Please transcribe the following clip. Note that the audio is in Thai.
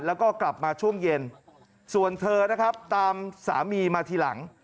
แล้วก็กลับมาช่วงเย็นส่วนเธอนะครับตามสามีมาทีหลัง